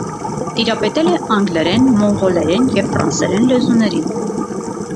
Տիրապետել է անգլերեն, մոնղոլերեն և ֆրանսերեն լեզուներին։